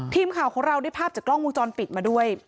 ทีมข่าวของเราได้ภาพจากกล้องวงจรปิดมาด้วย